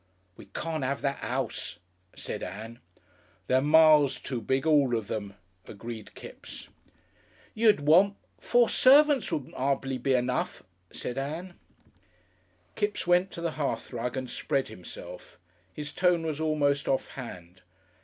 "We can't 'ave that 'ouse," said Ann. "They're miles too big all of them," agreed Kipps. "You'd want . Four servants wouldn't be 'ardly enough," said Ann. Kipps went to the hearthrug and spread himself. His tone was almost offhand.